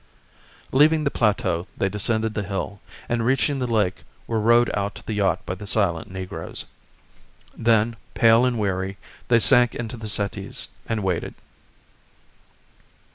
Leaving the plateau they descended the hill, and reaching the lake were rowed out to the yacht by the silent negroes. Then, pale and weary, they sank into the settees and waited.